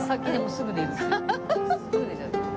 すぐ寝ちゃう。